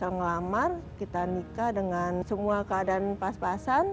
ngelamar kita nikah dengan semua keadaan pas pasan